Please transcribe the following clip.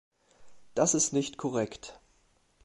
Das ist nicht korrekt.